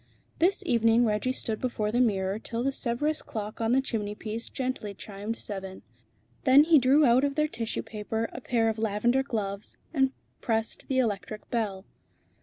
This evening Reggie stood before the mirror till the Sèvres clock on the chimneypiece gently chimed seven. Then he drew out of their tissue paper a pair of lavender gloves, and pressed the electric bell.